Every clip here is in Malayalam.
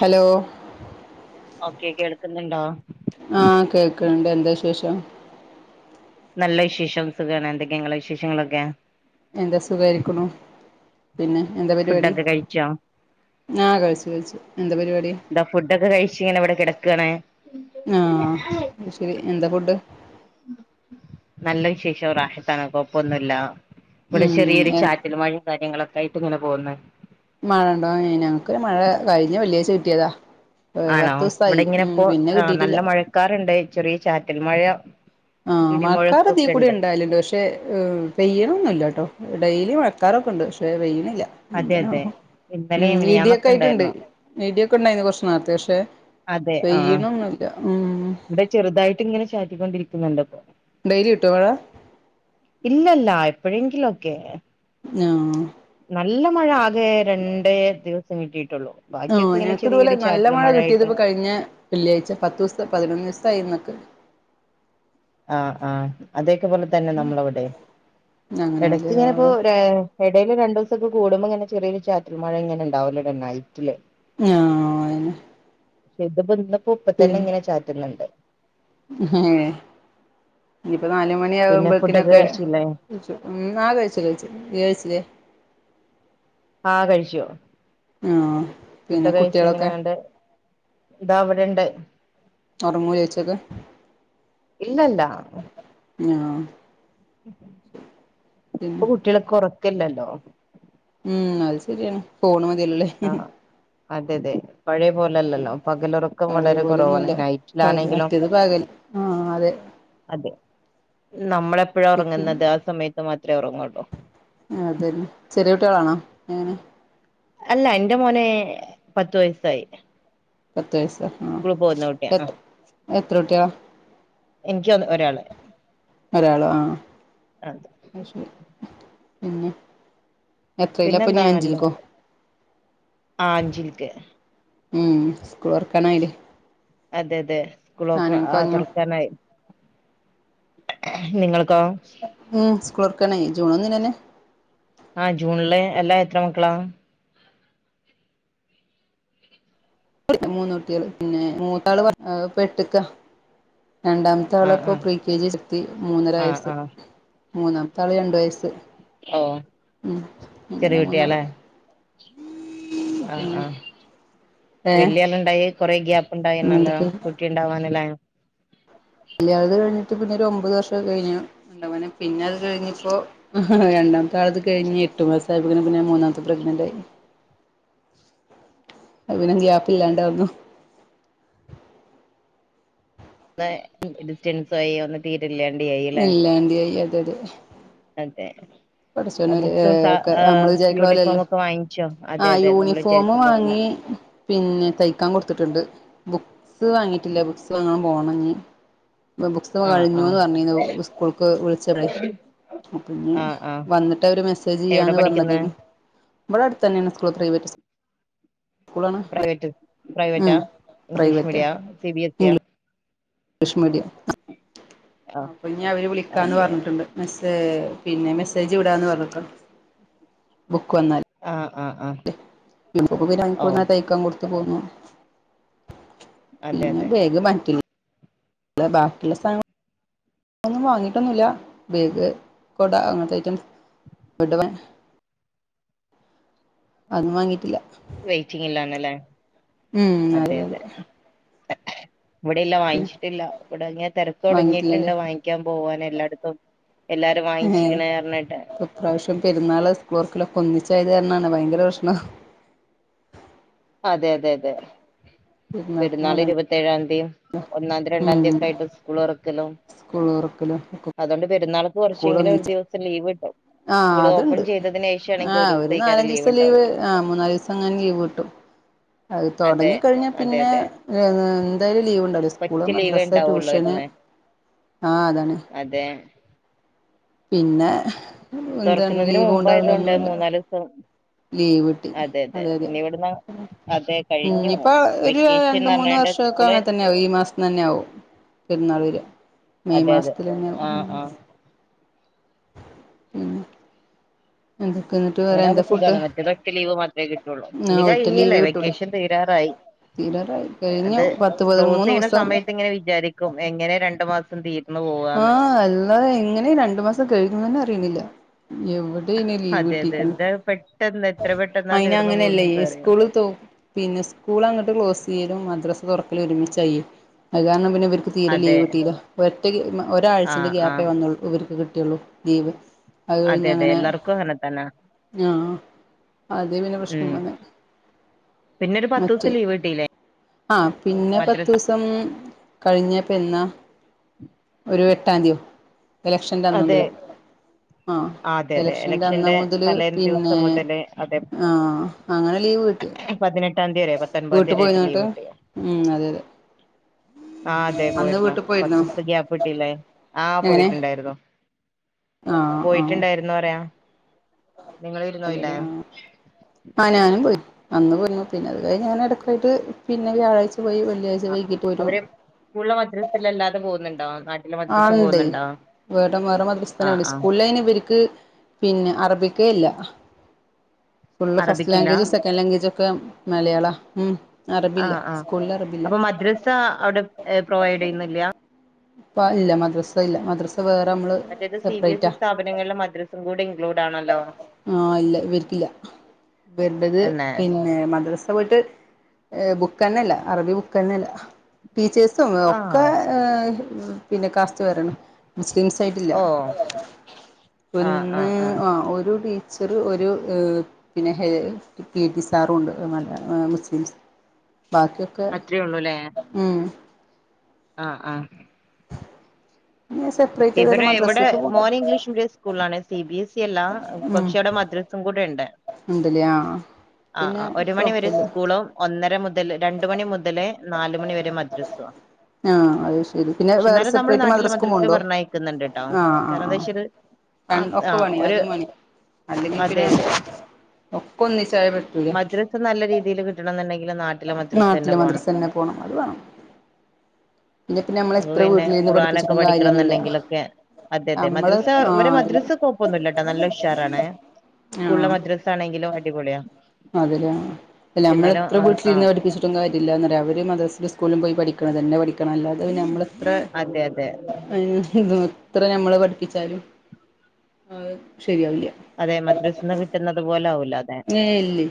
ഹലോ ഓക്കെ കേൾക്കുന്നുണ്ടോ? ആഹ് കേക്ക്ണ്ട് എന്താ വശേഷം നല്ല വിശേഷം സുഖാണ് എന്തൊക്കെ ഇങ്ങളെ വിശേഷങ്ങളൊക്കെ? എന്താ സുഖായിരിക്കുണു പിന്നെ എന്താ പരിപാടി? ഫുഡൊക്കെ കഴിച്ചോ ആഹ് കഴിച്ചു കഴിച്ചു എന്താ പരിപാടി എന്താ ഫുഡൊക്കെ കഴിച്ച് ഇങ്ങനെ ഇവിടെ കിടക്കാണ് ആ ശരി എന്താ ഫുഡ് നല്ല വിശേഷം റാഹത്താണ് കൊഴപ്പൊന്നുല്ല ഇവിടെ ഉം ചെറിയൊരു എ ചാറ്റൽ മഴി കാര്യങ്ങളൊക്കെ ആയിട്ട് ഇങ്ങനെ പോകുന്ന് മഴ ഉണ്ടോ ഏഹ് ഞങ്ങക്ക് മഴ കയിഞ്ഞ വെള്ളിയാഴ്ച്ച കിട്ടിയതാ. ഏ, ആണോ പത്ത് ഇവിടെ ദിവസായി ഇങ്ങനെ ഉം ഇപ്പോ പിന്നെ ആ കിട്ടിയിട്ടില്ല നല്ല മഴക്കാറ്ണ്ട് ചെറിയ ചാറ്റൽ മഴ ആഹ് മക്കാറ് തീ ഇടിമുഴക്കൊക്കെ കൂടി ഉണ്ട് ഇണ്ടായലണ്ട് ഷേ പക്ഷേ ഉം പെയ്യണൊന്നുല്ലട്ടോ ഡെയിലി മഴക്കാറൊക്കെ ഉണ്ട് പക്ഷെ പെയ്യണില്ല. അതെ എന്തിനാ അതെ ഉം ഇന്നലെയും ഇഡിയക്കെ മിനിയാന്നൊക്കെ ആയിട്ടുണ്ട് ഉണ്ടായിരുന്നു ഇഡിയക്കെ ഇണ്ടായിന്ന് കുറച്ചു നേരത്തെ പക്ഷെ അതെ ആഹ് പെയ്യണൊന്നില്ല ഉം ഇവിടെ ചെറുതായിട്ട് ഇങ്ങനെ ചാറ്റിക്കൊണ്ടിരിക്കുന്നുണ്ട് ഇപ്പൊ ഡെയ്ലി കിട്ടുവോ അവടെ ഇല്ലല്ല എപ്പൊഴെങ്കിലൊക്കെ ആഹ് നല്ല മഴ ആകെ രണ്ടേ ദിവസം കിട്ടിയിട്ടുള്ളൂ ബാക്കിയൊക്കെ ആഹ് ഇങ്ങനെ ഞങ്ങക്ക് ഇതുപോലെ ചെറിയൊരു നല്ല ചാറ്റൽ മഴ കിട്ടിയത് മഴയായിട്ട് കഴിഞ്ഞെ വെള്ളിയാഴ്ച്ച പത്തൂസം പതിനൊന്നിസായി ഇന്നേക്ക് ആഹ് ആഹ് അതേപോലെ തന്നെ നമ്മളവിടെ ഇടക്ക് അങ്ങനെല്ലേ ഇങ്ങനെപ്പോ ആഹ് ഏഹ് ഇടയില് രണ്ടൂസൊക്കെ കൂടുമ്പോ ഇങ്ങനെചെറിയൊരു ചാറ്റൽ മഴ ഇങ്ങനെ ഇണ്ടാവില്ലോന്നാല് നൈറ്റില് ആഹ് പക്ഷെ ഇത് ഇന്നിപ്പം ഇപ്പതന്നെ പിന്നെ ഇങ്ങനെ ചാറ്റുന്നുണ്ട് ഏഹ് ഇനിപ്പോ നാലുമണി പിന്നെ ഫുഡൊക്കെ ആവുമ്പോത്തിനൊക്കെ കഴിച്ചില്ലേ കഴിച്ചു എന്നാ കഴിച്ചു കഴിച്ചു നീ കഴിച്ചില്ലേ ആഹ് കഴിച്ചു ആഹ് ഫുഡൊക്കെ പിന്നെ കൈച്ച് കുട്ടികളൊക്കെ ഇങ്ങനെണ്ട് ഇതാ അവിടെണ്ട് ഒർങ്ങോ ചോയിച്ചോക്ക് ഇല്ലല്ല ആഹ് പിന്നെ ഇപ്പൊ കുട്ട്യേള്ക്ക് ഉറക്കില്ലല്ലോ ഉം അത് ശരിയാണ് ഫോണ് മതിയല്ലൊല്ലേ അതെതെ പഴയ പോലല്ലല്ലോ പകലുറക്കം പഴയ വളരെ കുറവാണ് പോലെയൊന്നുല്ല നൈറ്റിലാണെങ്കിലും മറ്റേത് പകൽ ആഹ് അതെ അതെ നമ്മളെപ്പോഴാ ഉറങ്ങുന്നത് ആ സമയത്ത് മാത്രേ ഉറങ്ങൂള്ളൂ അതന്നെ ചെറിയ കുട്ടികളാണോ എങ്ങനെ അല്ല എന്റെ മോന് പത്ത് വയസ്സായി പത്ത് വയസ്സ് സ്‌കൂള് പോന്ന കുട്ട്യാ എത്ര കുട്ട്യാള എനിക്കൊന്ന് ഒരാള് ഒരാളോ ആഹ് അതെ അയിശരി പിന്നെ എത്രേല്ലാ ഇപ്പൊനി പിന്നെന്താ അഞ്ചിൽക്കോ നല്ലത് ആ അഞ്ചിൽക്ക് ഉം സ്കൂളൊറക്കാനായില്ലേ അതെ അതെ സ്കൂളപ്പ വാങ്ങിയോ തുറക്കാനായി നിങ്ങൾക്കോ ഉം സ്കൂളൊർക്കാനായി ജൂണൊന്നിനെന്നെ ആഹ് ജൂണില് എല്ലാ എത്ര മക്കളാ മൂന്ന് കുട്ടികള് പിന്നെ മൂത്താള് ഇപ്പെട്ട്ക്കാ രണ്ടാ ആ മൂത്താള് ആ ഇപ്പോ പ്രീ കെ ജി എത്തി മൂന്നര ആ ആ വയസ്സ് മൂന്നാമത്താള് രണ്ട് വയസ്സ് ഓഹ് ഉം അങ്ങനെ ചെറിയ കുട്ട്യാ മൂന്നാള് ല്ലേ ആഹ് പിന്നെ ആഹ് ഏഹ് വല്യാളുണ്ടായി കൊറേ ഗ്യാപ്പ് ഉണ്ടായിന്നല്ലോ പിന്നെന്തൊക്കെ കുട്ടി കുട്ടിണ്ടാവാന് ലേ വലിയാളത് കഴിഞ്ഞിട്ട് പിന്നെ ഒരു ഒമ്പത് വർഷം കഴിഞ്ഞു പിന്നെ അത് കഴിഞ്പ്പൊ ആഹ് രണ്ടാമത്താളത് കഴിഞ്ഞ് എട്ടു മാസായപ്പൊ പിന്നെ മൂന്നാമത്തെ പ്രെഗ്നന്റായി അത് പിന്നെ ഗ്യാപ്പില്ലാണ്ടാവുന്നു ഒന്ന് ഡിസ്റ്റൻസ് ആയി ഒന്ന് തീരെല്ലാണ്ടായില്ലേ [unintelligible] അതെ പടച്ചോനല്ലേ ബുക്സും ഒക്കെ നമ്മള് വിചാരിക്കണ യൂണിഫോമൊക്കെ വാങ്ങിച്ചോ അതെ അതെ നമ്മള് ഫോമ് വിചാരിക്കും പോലെല്ല വാങ്ങി പിന്നെ തയ്ക്കാൻ കൊടുത്തിട്ടുണ്ട് ബുക്സ് വാങ്ങിയിട്ടില്ല ബുക്സ് വാങ്ങാൻ പോണനി ബുക്സ് ആഹ് കഴിഞ്ഞുന്ന് ആഹ് പറഞ്ഞിരുന്നു സ്കൂൾക്ക് വിളിച്ചടെ അപ്പോനി ആഹ് ആഹ് വന്നിട്ടവര് മെസ്സേജ് എവിടെ ചെയ്യാന്ന് പറഞ്ഞത് പഠിക്കുന്നെ ഇവിടെ അടുത്തന്നെയാണ് സ്കൂൾ പ്രൈവറ്റ് സ്കൂളാണ് പ്രൈവറ്റ് ഉം പ്രൈവറ്റാ ഇംഗ്ലീഷ് പ്രൈവറ്റാ മീഡിയാ സി ബി എസ് സിയ ഇംഗ്ലീഷ് മീഡിയാ ആഹ് അപ്പൊ ഇനി അവര് വിളിക്കാന്ന് ഓക്കെ പറഞ്ഞിട്ടുണ്ട്. മെസ് പിന്നെ മെസ്സേജ് വിടാന്ന് പറഞ്ക്കാ. ബുക്ക് വന്നൽ. ആഹ് ആഹ് ആഹ്. യൂനിഫോം ഓ കൊടുന്ന തൈക്കൻ കൊടുത് പോന്നു അതെ പിന്നെ അതെ ബാഗ് മാറ്റി. ഇല്ല ബാക്കിയുള്ള സാനം ഒന്നും വാങ്ങിയിട്ടൊന്നുല്ല ബേഗ് കൊട അങ്ങനത്തെ ഐറ്റം. അതന്നും വാങ്ങിയിട്ടില്ല. വെയിറ്റിംഗിലണല്ലേ. ഉം അതെ അതെ ഇവിടെല്ല പിന്നെ വാങ്ങിച്ചിട്ടില്ല ഇവിടെ ഇങ്ങനെ തിരക്ക് വാങ്ങിട്ടില്ലല്ലേ തുടങ്ങിയിട്ടുണ്ട് വാങ്ങാൻ പോവാൻ എല്ലായിടത്തും. എല്ലാരും ഏ വാങ്ങിച്ണ് പറഞ്ഞിട്. ഇപ്രാവശ്യം പെരുന്നാള് സ്കൂള് തെർക്കല് ഒന്നിച്ചായത് കാരണാണ് ഭയങ്കര പ്രശ്നം. അതെ അതെ അതെ പെരുന്നാൾക്കും പെരുന്നാൾ വേണം ഇരുപത്തേഴാന്തിയും. ഒന്നാംതി രണ്ടാംതിയതി ഉം ഒക്കെ ആയിട്ട് സ്കൂൾ തുറക്കലോ സ്കൂൾ തുറക്കലും ഒക്കെ അതുകൊണ്ട് പെരുന്നാള്. കുറച്ചെങ്കിലും ഒരു ദിവസം ലീവ് കിട്ടും. ആഹ് സ്കൂൾ ഓപ്പൺ അതുണ്ട് ചെയ്തതിന് ശേഷം ആണെങ്കിൽ ആഹ് ഒരു ദിവസത്തേക്കാരം നാലഞ്ചു ദിവസത്ത ലീവ് ഉണ്ടാവുള്ളു ആഹ് മൂന്നാല്സം. അങ്ങന ലീവ് കിട്ടും അത് അതെ തുടങ്ങി കഴിഞ്ഞാൽ അതെ പിന്നെ അതെ എന്തായാലും ലീവ് ഉണ്ടാകുല. സ്കൂള് കൊച്ച് ലീവേ മദ്രസ് ട്യൂഷന് ഉണ്ടാവുള്ളായിരുന്ന് ആഹ് അതന്നെ. അതെ പിന്നെ എന്താണ് തുറക്കുന്നതിന് ലീവും മുമ്പ് ഉണ്ടാവില്ല ആയതൊണ്ട് ഒന്നുമില്ല മൂന്നാല് ദിവസം. ലീവ് കിട്ടി അതെ അതെ. അതെ ഉം കഴിഞ്ഞു ഇഞ്ഞിപ്പൊ ഒരു വെക്കേഷൻ രണ്ട് മൂന്ന് പറഞ്ഞാണ്ട് വർഷക്കെ സ്കൂള് അങ്ങനത്തെന്നെ. ഈ മാസം തന്നെ ആവും പെരുന്നാൾ വര മെയ് അതെ അതെ മാസത്തിലന്നെആവും. ആഹ് ആഹ് എന്തൊക്കിന്നിട്ട്. അങ്ങനെകുമ്പോ സുഖാണ് മറ്റേതൊക്ക ലീവ് മാത്രമേ കിട്ടയുള്ളൂ ആ ഇനി ഒറ്റ ലീവ് കഴിഞ്ഞില്ലേ കിട്ടുള്ളൂ വെക്കേഷൻ തീരാറായി. തീരാറായി കഴിഞ്ഞു അത് പത്ത് ക്ലോസ് പതിമൂന്ന് ചെയ്യണ ദിവസം സമയത്ത് ഇങ്ങനെ വിചാരിക്കും എങ്ങനെ രണ്ടു മാസം തീര. ആഹ് അല്ലാതെ എങ്ങനെയ രണ്ടു മാസം കഴിഞ്ഞുനന്നെ അറിയണില്ല. എവ് എവടെ അയ്ന് ലീവ് അതെ അതെ കിട്ടിരിക്കുന്നു ഇത് പെട്ടെന്ന് എത്ര പെട്ടെന്നാ അയിന് തീർന്നു അങ്ങനെയല്ലേ പോകുന്നത് അറിയോ സ്കൂളിൽ തോ പിന്നെ സ്കൂൾ അങ്ങോട്ട് ക്ലോസ് ചെയ്യലും മദ്രസ് തുറക്കൽ ഒരുമിച്ചായി അത് കാരണം പിന്നെ തീരെ അതെ ലീവ് കിട്ടീല ഒറ്റ ഒരാഴ്ചന്റെ ആഹ് ഗ്യാപ്പേ ആഹ് വന്നൂ ഇവർക്ക് കിട്ടിയുള്ളൂ. ലീവ് അത് അതെ കഴിഞ്ഞ് അതെ അങ്ങനെ എല്ലാർക്കും അങ്ങനെ തന്നെ ആഹ്. അതേ പിന്നെ പ്രശ്നം ഉം വന്നെ. പിന്നെ ഒരു പത്ത് ദിവസം ലീവ് കിട്ടയില്ലേ. ആഹ് പിന്നെ പത്തു ദിവസം കഴിഞ്ഞപ്പ എന്നാ. ഒരു എട്ടാംതിയോ ഇലക്ഷൻന്റെ അന്ന് അതെ മുതല്. ആഹ് അതെ അതെ എലക്ഷന്റെ അന്ന് മുതല് തലേന്ന് പിന്നെ ദിവസം മുതല് അതെ ആഹ് അങ്ങനെ ലീവ് കിട്ടി. പതിനെട്ടാം തിയതി വരെ പത്തൊൻപാന്തി വീട്ട് ആയിട്ട് പോയിന്നോ ലീവ് എന്നിട്ട് കട്ടിയ. ഉം അതെ അതെ ആഹ് അതെ അന്ന് പോയിരുന്നു വീട്ടിൽ പത്ത് പോയിരുന്നോ ദിവസതെ ഗ്യാപ്പ്ട്ടില്ലേ ആഹ് എങ്ങനെ പോയിട്ടുണ്ടായിരുന്നു. ആഹ് ആഹ് പോയിട്ടുണ്ടായിരുന്നു പറയാ. നിങ്ങള് ഇരുന്നോയില്ലേ അതല്ലേ ആഹ്. ആഹ് ഞാനും പോയി അന്ന് പോയിരുന്നു പിന്നെ അത് കഴ ഞാന ഇടക്കായിട്ട് പിന്നെ വ്യാഴാഴ്ച പോയി വെള്ളിയഴ്ച വൈകിട്ട്. വരും അവര് സ്കൂളിലാ മദ്റസയിലും അല്ലാതെ പോകുന്നുണ്ടോ നട്ട് ആണ്ടേയ് വേറ വേറെ മദ്രസ് ആഹ് തന്നെള്ളൂ ആഹ് സ്കൂളയ്ൻ ഇവർക്ക്. പിന്നെ അറബിക്കെല്ല ഇല്ല ഫുള്ള് ഫസ്റ്റ് അറബിക്കില്ല ലാംഗ്വേജും സെക്ക കെലങ്കേജൊക്കെ മലയാളം അറബില്ല സ്കൂളിൽ അറബില്ല. ഇത്താ അവിടെ പ്രൊവൈഡ് ചെയ്യുന്നില്ല. ഇല്ല മദ്രസ ഇല്ല മദ്രസ വേറെ നമ്മള്. മറ്റേത് സി ബി എസ് ഇ സെപ്പറേറ്റാ സ്ഥാപനങ്ങളലെ മദ്രസും കൂടെ ഇൻക്ലൂടാണല്ലോ ആഹ് ഇല്ല ഇവരക്കില്ല ഇവരെടാത് എന്നേ പിന്നെ ഏഹ് മദ്രസ പോയിട്ട് ബുക്ക്ന്നെല്ല അറബി ബുക്ക്ന്നെയല്ല ടീച്ചേഴ്സും ഒക്കെ ആഹ് ഏഹ് പിന്നെ കാസ്റ്റ് വേറേണ് മുസ്ലിംസ് ടില്ല ഓ ആഹ് ഒന്ന് ആഹ് ആഹ് ഒരു ടീ ചെറ ഒരു എഹ് പിന്നെ ഏഹ് പിടി സാറുണ്ട് ഏഹ് നല്ല മുസ്ലിംസ് ബാക്ക്യോ അത്രേള്ളൂല്ലേ ഉം ആഹ് ആഹ് പിന്നെ സെപ്പറേറ്റ് ഇവരെ ഏതായാലും ഇവിടെ മദ്രസക്ക് പോണ്ട് മോന് ഇംഗ്ലീഷ് മീഡി സ്കൂള ആണ് സി ബി എസ് ഇ അല്ല പക്ഷെ അവിടെ മദ്രസും കൂടെണ്ട് ഇടെല്ലേ ആഹ് പിന്നെ കൊഴപ്പില്ല ഇപ്പളും ഒന്നര മുതൽ രണ്ട മണി മുതൽ നാലുമണി വരെ മദ്രസേ ആഹ് അത് ശരി പിന്നെ വേറെ എന്നാലും നമ്മളെ സെപ്പറേറ്റ് നാട്ടില് മദ്രസക്കും മദ്രസ് പോണ്ടോ പറന്നെയക്കുന്നുണ്ട്ട്ടോ ആഹ് ആഹ് ആഹ് കാരന്താച്ചാല് ആഹ് ആഹ് ഒരു അല്ലെങ്കി അതെ പിന്നെ അതെ ഒക്ക ഒന്നിചാറ് മദ്രസ് നല്ല രീതില്കിട്ടണ ന്ന്ണ്ടെങ്കില് നാ നാട്ടിലെ മദ്രസന്നെ പോണം അത് വേണം. പിന്നെ പിന്നെ നമ്മള് അപ്പൊ എത്ര പിന്നെ വീട്ടിലിരുന്ന് ഖുർആാനൊക്കെ പഠിപ്പിച്ചിട്ടും കാര്യൊന്നുല്ല പഠിക്കണന്ന്ണ്ടെങ്കിലൊക്കെ അതെ അതെ നമ്മള് മദ്രസ ഇവരെ ആഹ് അത് മദ്രസ്സ കൊഴപ്പൊന്നുല്ലാട്ടോ നല്ല ഉഷാറാണ്. ആഹ്. ച്ചാആണെങ്കിലും അടിപൊള്യാ. അത്‌ല്ലേ അല്ല നമ്മള് എത്ര ആ വീട്ടിലിരുന്ന് പഠിപ്പിച്ചു ട്ടും കാര്യല്ലാന്നറ്യാ അവര് മദ്രസലും സ്കൂളും പോയി പഠിക്കണം തന്നെ പഠിക്കണം അല്ലാതെെ നമ്മള അതെ അതെ ഏഹ് [unintelligible] എത്ര നമ്മള് പഠിപ്പിച്ചാലും അത് ശരിയാവില്ല. അതെ മദ്രസെന്ന് കിട്ട്ന്നത് പോലെ ആവൂല അത്. എഹ് ഇല്ല്യ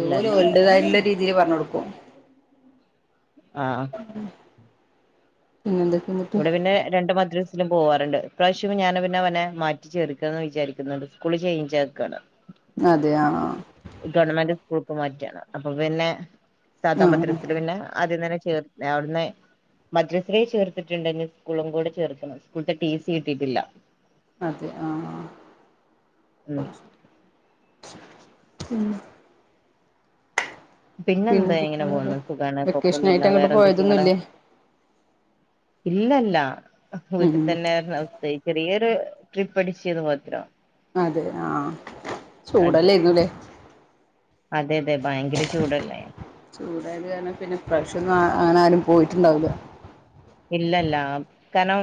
ഇല്ല ഓല് ഇല്ല അതെ ഓൽതെതായ്ട്ട്ള്ള രീതില് പർഞ്ഞൊട്ക്കും. ആഹ്. ഉ ഇവിടെ പിന്നെ രണ്ട മദ്ര പോവാറ്ണ്ട് ഇ പ്രാവശ്യം ഞാൻ അവനെവനെ മാറ്റി ചേർക്കാന്ന് വിചാരിക്ക്ന്ന്ണ്ട് സ്കൂള്ചെയ്ഞ്ചാക്കാണ്. അതെ ആണോ? ഗവൺമെന്റ് സ്കൂൾക്ക് മാറ്റ അപ്പൊ പിന്നെ സാധാ ആ മദ്രസ ല്‌ പിന്നെ ആദ്യം തന്നെ ചേർ ന്നഅവ്‌ട്‌ന്ന്. മദ്രസല് ചേർത്തിത്ണ്ട് ഇനി സ്കൂളും കൂടെ ചേർക്കണം സ്കൂൾത്തെ ടി സി കിട്ടിട്ടില്ല. അതെ ആഹ് ഉം ആഹ് മ്മ്. പിന്നെ എന്താ എന്തൊക്കെ ഇങ്ങനെ വേറെ പോവ്ന്ന് സുഖാണ് വെക്കേഷൻ കൊപ്പൊന്നുല്ല ആയിട്ട് അങ്ങോട്ട് വേറെന്തൊക്കെയ ഇങ്ങെളെ? പോയതൊന്നുംല്ലേ ഇല്ലല്ല ഒക്കെ ഉം വീട്ടി തന്നെ ര്‌ന്നു സേഫ്. ചെറിയൊരു ട്രിപ്പ് അടിയ്ന്ന് മാത്രം. അതെ ആഹ് അതെ അതെ അതെ ഭയങ്കര ചൂടല്ലേ? ചൂടായത് കാരണം പിന്നെ ഇപ്രാവശ്യം ഒന്നും അ അങ്ങനെ ആരും പോയിട്ട്ണ്ടാവുല്ല? ഇല്ലല്ല കാരണം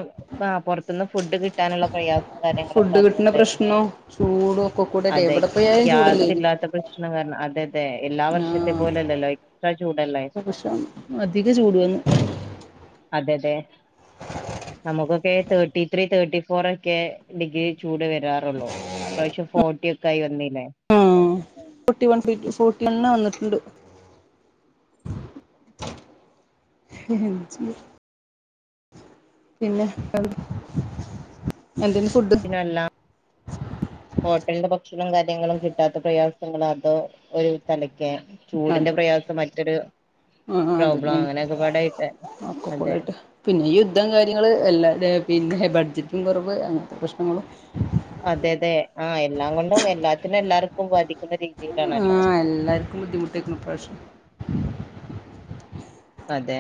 ആ പൊർത്ത്ന്ന് ഫുഡ് കിട്ടാന്ള്ള പ്രയാസം കാര്യങ്ങളൊക്കെ ഫുഡ് കിട്ടുന്ന അതുംണ്ടായിരുന്നു പ്രശ്നവും ചൂടും ഒക്കെ കൂടെല്ലേ അതെ എവിടെ പോയാലും ചൂടല്ലേരുന്നു ഗ്യാസ്ല്ലാത്ത പ്രശ്നം കാരണം അതെ അതെ എല്ലാ വർഷത്തെ പോലെല്ലല്ലോ എക്സ്ട്രാ ചൂടല്ലേ. പ്രാശ്യം അധിക ചൂടു വന്ന്. അതെതെ. നമുക്കൊക്കെ തേർട്ടി ത്രീ തേർട്ടി ഫോർ ഒക്കെ ഡിഗ്രി ചൂട് വരാറൊള്ളൂ. ഇ പ്രാവശ്യ ഫോർട്ട്യഒക്കെ ആയി വന്നില്ലേ? ആ ഫോർട്ടി വൺ ഫോർട്ടി വണ് വന്നിട്ട്ണ്ട്. എ [inaudible] പിന്നെ എന്താ എന്തെന്നു ഫുഡ്? എല്ല ഹോട്ടൽന്ന് ഭക്ഷണും കാര്യങ്ങളും കിട്ടാത്ത പ്രയാസങ്ങളതോ ഒരു തലക്കെ ചൂടിന്റെ അതെ പ്രയാസം മറ്റൊരു ആ പ്രോബ്ലം അതന്നെയാണ് അങ്ങനൊക്കെപാടേട്ട് ഒക്കെ അതെ കൂടെയിട്ട് പിന്നെ യുദ്ധം കാര്യങ്ങള് എല്ലാ പിന്നെ ബഡ്ജറ്റും കൊർവ് അങ്ങൻത്തെ പ്രശ്നങ്ങളും അതെ അതെ ആ എല്ലാം കൊണ്ടും എല്ലാത്തിനും എല്ലാർക്കും ബാധി ആഹ് എല്ലാർക്കും ബുദ്ധിമുട്ടാകും ഇ പ്രാവശ്യം. അതെ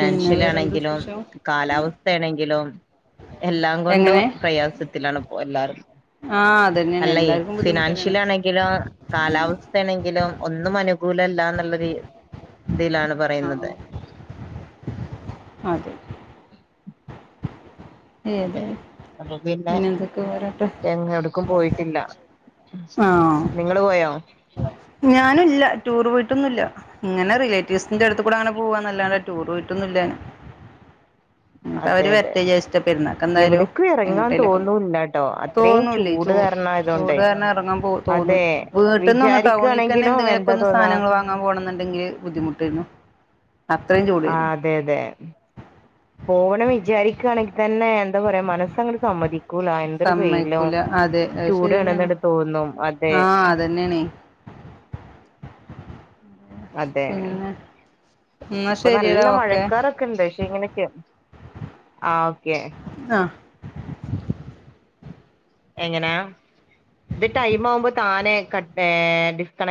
പിന്നെ വേറെന്ത് ആണെങ്കിലും വിശേഷം കാലാവസ്ഥേണെങ്കിലും എല്ലാം കൊണ്ടും എങ്ങനെ പ്രയാസത്തിലാണ് പ്പൊ എല്ലാരും. ആ അതന്നെയാണ് അല്ലെ എല്ലാർക്കും ബുദ്ധിമുട്ട് തന്നെയാണ് ഫിനാൻഷ്യലി ആണെ ങ്കിലും കാലാവസ്ഥേണെങ്കിലും ഒന്നും അനുകൂലല്ലാ ന്ന്ള്ളൊര് ഇതിലാണ് പറയുന്നത്. ആ അതെ. അതെ. ഏതായാലും അപ്പൊ പിന്നെ എന്തൊക്കെ പറയട്ടെ എങ്ങ് ഒട്ക്കും പോയിട്ടില്ല. നിങ്ങള് പോയോ? ഞാനും ഇല്ല ടൂർ പോയിട്ടൊന്നുംല്ല. ഇങ്ങനെ റിലേറ്റീവ്സിന്റെ അടുത്ത് കൂടെ അങ്ങനെ പോവാന്നല്ലാണ്ടെ ടൂർ പോയിട്ടൊന്നുല്ല ഞാന്. അതെ ഇഞ്പ്പവര് അതെ വര്ട്ടെ വിജാര്ച്ട്ടാ പെരുന്നാക്കെന്തായാലും എവിടക്കും ഇറങ്ങാൻ എങ്ങട്ടേലൊക്കെ തോന്നൂല്ലാട്ടോ അത്രയും തോന്നൂല്ലേ. ചൂട് ചൂ ചൂട് കാരണായതൊണ്ടേ കാരണം എറങ്ങാൻ പോ തോന്നും അതെ വീട്ട്ന്നൊന്നൂട്ടോ ഫോണിൽക്കന്നെ വിചാരിക്കുകയാണെങ്കിലും എന്താ എന്തങ്കിലൊക്കൊന്ന് തോന്നാ സാനങ്ങളോ വാങ്ങാൻ പോണം എന്നുണ്ടെങ്കില് ബുദ്ധിമുട്ടേന്നു. അത്രയും ചൂടേന്നു. അതെയതെ. പോവണം വിചാരിക്കാണെങ്കി തന്നെ എന്താ പറയാ മനസ്സങ്ങട് സമ്മതി ക്കൂല. എന്തൊരു വെയിലും സമ്മതിക്കൂല അതെ അത് ശരി ചൂടു ആണെന്ന്ട് തോന്നും. അതെ ന്നേണെ. അതെ. പിന്നെ എന്നാ ഇപ്പം ശരിയടാ നല്ല ഓക്കെ മഴക്കാറൊ ക്കെണ്ട്. പക്ഷെ ഇങ്ങനൊക്കെ. ആഹ് ഓക്കെ. അഹ് എങ്ങനാ ഇത് ടൈം ആവുമ്പോ താനെ കട്ട് ഏഹ് ഡിസ്കണക്